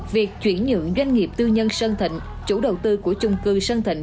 việc chuyển nhượng doanh nghiệp tư nhân sơn thịnh chủ đầu tư của chung cư sơn thịnh